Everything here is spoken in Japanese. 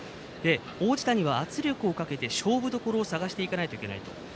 王子谷は圧力をかけて勝負どころを探さないといけない。